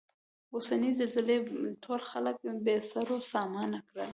اوسنۍ زلزلې ټول خلک بې سرو سامانه کړل.